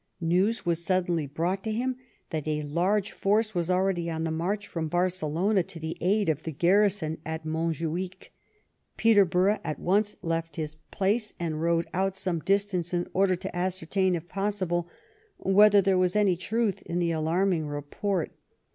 News was suddenly brought to him that a large force was already on the march from Barcelona to the aid of the garrison of Monjuich. Peterborough at once left his place, and rode out some distance in order to ascertain, if possible, whether there was any truth in the alarming report.